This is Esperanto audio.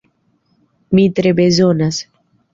Mi tre bezonas!